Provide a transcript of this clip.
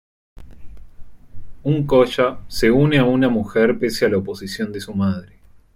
Un coya se une a una mujer pese a la oposición de su madre.